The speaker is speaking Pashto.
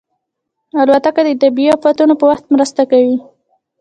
الوتکه د طبیعي افتونو په وخت مرسته کوي.